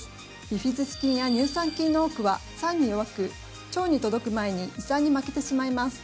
ビフィズス菌や乳酸菌の多くは酸に弱く腸に届く前に胃酸に負けてしまいます。